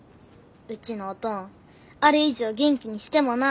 うちのおとんあれ以上元気にしてもな。